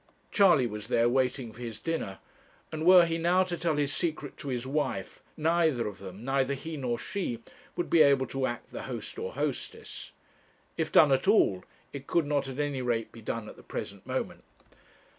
Charley was there waiting for his dinner; and were he now to tell his secret to his wife, neither of them, neither he nor she, would be able to act the host or hostess. If done at all, it could not at any rate be done at the present moment.